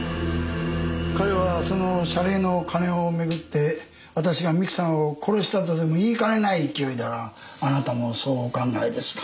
彼はその謝礼の金を巡って私が三木さんを殺したとでも言いかねない勢いだがあなたもそうお考えですか？